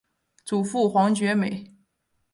祖父黄厥美。